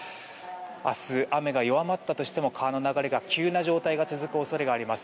明日、雨が弱まったとしても川の流れが急な状態が続く恐れがあります。